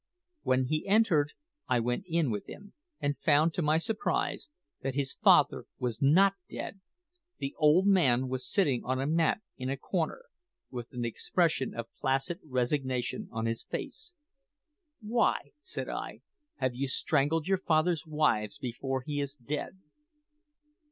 When he entered I went in with him, and found, to my surprise, that his father was not dead! The old man was sitting on a mat in a corner, with an expression of placid resignation on his face. "`Why,' said I, `have you strangled your father's wives before he is dead?'